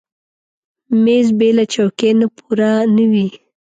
مېز بېله چوکۍ نه پوره نه وي.